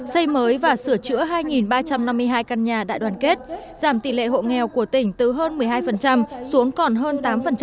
xây mới và sửa chữa hai ba trăm năm mươi hai căn nhà đại đoàn kết giảm tỷ lệ hộ nghèo của tỉnh từ hơn một mươi hai xuống còn hơn tám